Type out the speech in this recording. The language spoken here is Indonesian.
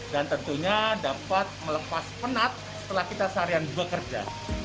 dan tentunya dapat melepas penat setelah kita seharian bekerja